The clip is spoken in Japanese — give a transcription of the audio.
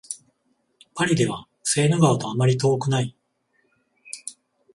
パリではセーヌ川とあまり遠くない